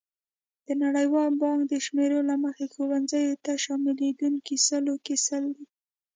د نړیوال بانک د شمېرو له مخې ښوونځیو ته شاملېدونکي سلو کې سل دي.